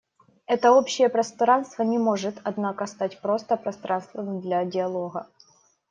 Это общее пространство не может, однако, стать просто пространством для диалога.